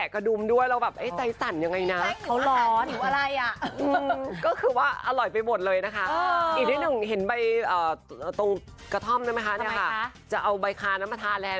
เอ่อไม่น่ากลัวคุณผู้ชม